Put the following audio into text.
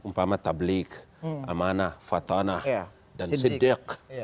umpama tablik amanah fatanah dan sidyaq